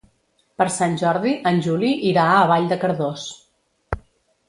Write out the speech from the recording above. Per Sant Jordi en Juli irà a Vall de Cardós.